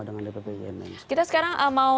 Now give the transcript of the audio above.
dengan dpp kita sekarang mau